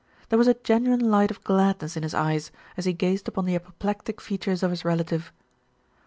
There was a genuine light of gladness in his eyes, as he gazed upon the apoplectic features of his relative.